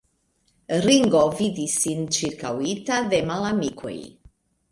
Ringo vidis sin ĉirkaŭita de malamikoj.